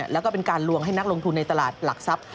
แล้วก็เป็นการลวงให้นักลงทุนในตลาดหลักทรัพย์